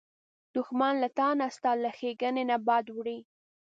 دښمن له تا نه، ستا له ښېګڼې نه بد وړي